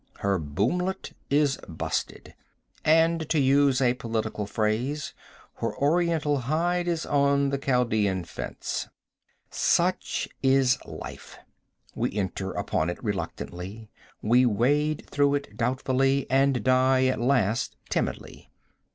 Her boomlet is busted, and, to use a political phrase, her oriental hide is on the Chaldean fence. Such is life. We enter upon it reluctantly; we wade through it doubtfully, and die at last timidly.